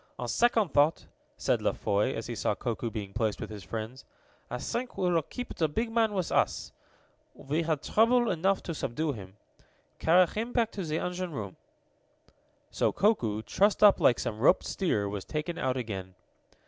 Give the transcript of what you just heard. "On second thought," said La Foy, as he saw Koku being placed with his friends, "I think we will keep the big man with us. We had trouble enough to subdue him. Carry him back to the engine room." So Koku, trussed up like some roped steer, was taken out again.